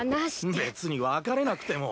べつに別れなくても。